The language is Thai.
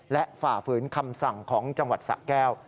และฝ่าฝืนคำสั่งของจังหวัดสะแก้ว